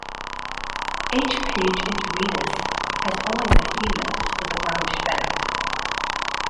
"H. page intermedius" has only the females with a brownish back.